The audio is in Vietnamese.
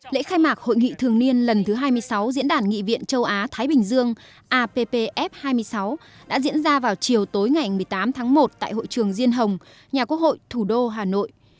lễ khai mạc hội nghị thường niên lần thứ hai mươi sáu diễn đàn nghị viện châu á thái bình dương appf hai mươi sáu đã diễn ra vào chiều tối ngày một mươi tám tháng một tại hội trường diên hồng nhà quốc hội thủ đô hà nội